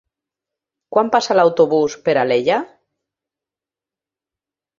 Quan passa l'autobús per Alella?